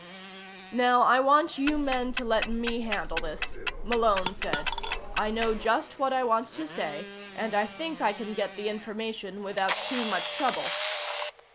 "Now, I want you men to let me handle this," Malone said. "I know just what I want to say, and I think I can get the information without too much trouble."